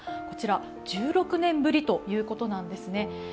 こちら１６年ぶりということなんですね。